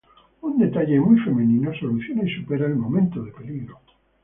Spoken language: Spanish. Un detalle muy femenino soluciona y supera el momento de peligro.